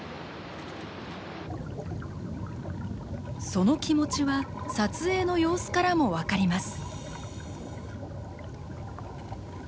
その気持ちは撮影の様子からも分かります。